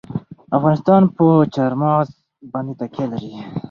افغانستان په چار مغز باندې تکیه لري.